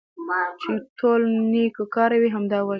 چې ټول نيكو كاره وي او همدا وجه ده